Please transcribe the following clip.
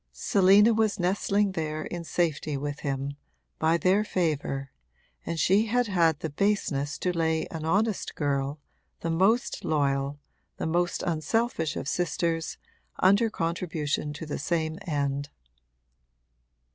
Selina was nestling there in safety with him, by their favour, and she had had the baseness to lay an honest girl, the most loyal, the most unselfish of sisters, under contribution to the same end.